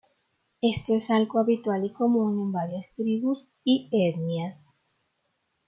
Esto es algo habitual y común en varias tribus y etnias.